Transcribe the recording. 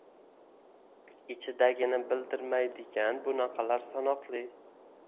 ichidagini bildirmaydigan, bunaqalar sanoqli.